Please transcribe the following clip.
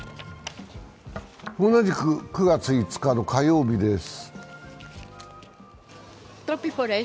同じく９月５日の火曜日です。